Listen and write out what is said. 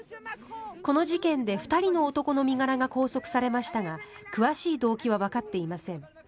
この事件で２人の男の身柄が拘束されましたが詳しい動機はわかっていません。